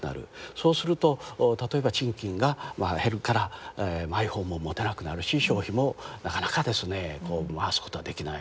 そうすると例えば賃金が減るからマイホームも持てなくなるし消費もなかなかですね回すことができない。